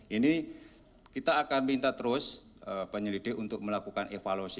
ini kita akan minta terus penyelidik untuk melakukan evaluasi